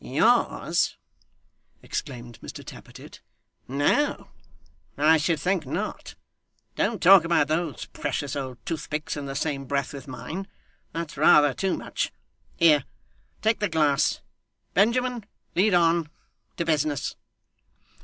'Yours!' exclaimed Mr Tappertit. 'No, I should think not. Don't talk about those precious old toothpicks in the same breath with mine; that's rather too much. Here. Take the glass. Benjamin. Lead on. To business!